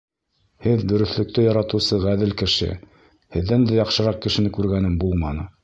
Һеҙ дөрөҫлөктө яратыусы ғәҙел кеше. һеҙҙән дә яҡшыраҡ кешене күргәнем булманы.